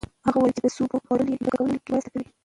هغه وویل چې د سبو خوړل يې ویده کولو کې مرسته کړې.